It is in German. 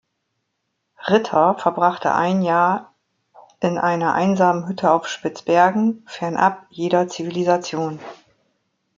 Ritter verbrachte ein Jahr in einer einsamen Hütte auf Spitzbergen, fernab jeder Zivilisation.